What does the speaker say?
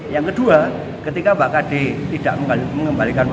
yang kedua ketika mbak kd tidak mengembalikan